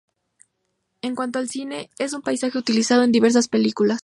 En cuanto al cine, es un paisaje utilizado en diversas películas.